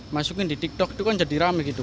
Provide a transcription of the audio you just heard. masukin di tiktok itu kan jadi rame gitu